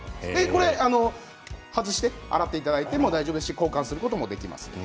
これは外して洗っていただいても大丈夫ですし交換することもできます。